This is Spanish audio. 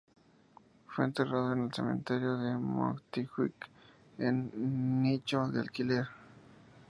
Fue enterrado en el cementerio de Montjuic en un nicho de alquiler.